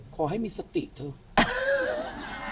ขอให้มีสติเถอะ